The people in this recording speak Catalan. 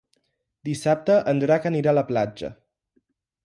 Dissabte en Drac anirà a la platja.